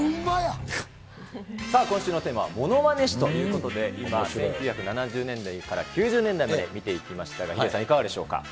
さあ、今週のテーマはものまね史ということで、今、１９７０年代から９０年代まで見ていきましたが、ヒデさん、いかがでしょうか。